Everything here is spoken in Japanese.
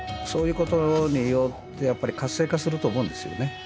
そういうことによってやっぱり活性化すると思うんですよね